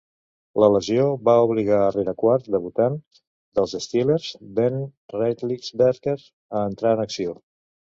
La lesió va obligar al rerequart debutant dels Steelers, Ben Roethlisberger,a entrar en acció.